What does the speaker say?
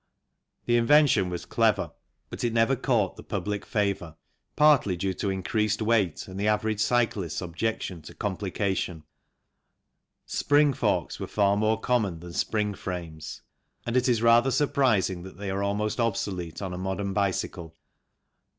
The invention was clever but it never caught the public favour, partly 64 SPRING FRAMES 65 due to increased weight and the average cyclist's objection to complication. Spring forks were far more common than spring frames, and it is rather surprising that they are almost obsolete on a modern bicycle.